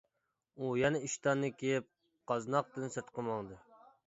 ئۇ يەنە ئىشتاننى كىيىپ قازناقتىن سىرتقا ماڭدى.